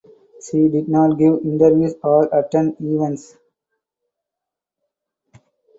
She did not give interviews or attend events.